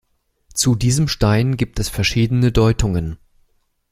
Zu diesem Stein gibt es verschiedene Deutungen.